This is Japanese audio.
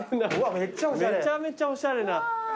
めちゃめちゃおしゃれな。